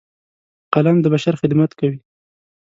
قلم د بشر خدمت کوي